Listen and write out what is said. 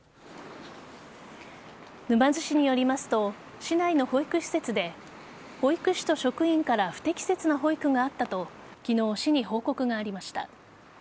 沼津市によりますと市内の保育施設で保育士と職員から不適切な保育があったと昨日、市に報告がありました。